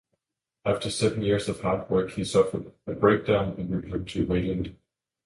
After seven years of hard work, he suffered a breakdown and returned to Wayland.